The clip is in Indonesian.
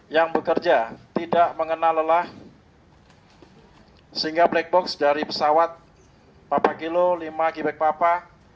yang bekerja tidak mengenal lelah sehingga black box dari pesawat papa kilo lima gbk papa